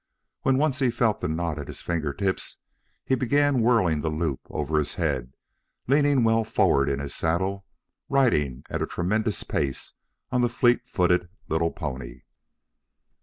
When once he felt the knot at his finger tips he began whirling the loop over his head, leaning well forward in his saddle, riding at a tremendous pace on the fleet footed little pony.